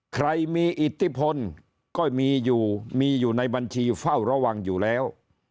ใครมีอิทธิพลก็มีอยู่มีอยู่ในบัญชีเฝ้าระวังอยู่แล้ว